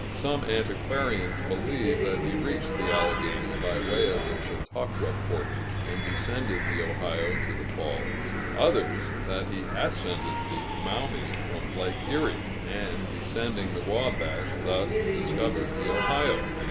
Some antiquarians believe that he reached the Alleghany by way of the Chautauqua portage, and descended the Ohio to the Falls; others, that he ascended the Maumee from Lake Erie, and, descending the Wabash, thus, discovered the Ohio.